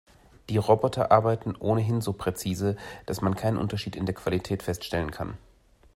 Die Roboter arbeiten ohnehin so präzise, dass man keinen Unterschied in der Qualität feststellen kann.